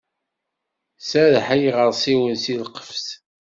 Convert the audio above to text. Serreḥ i yiɣersiwen seg lqefṣ.